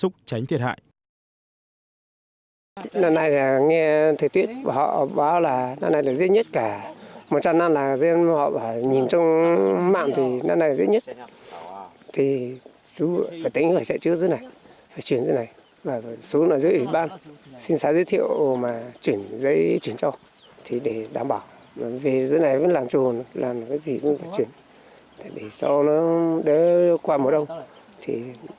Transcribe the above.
tránh thiệt hại giữ ấm cho đàn gia súc tránh thiệt hại